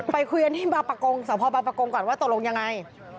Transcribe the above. ไปคุยกันที่สาวพอร์บประกงก่อนว่าตรงยังไง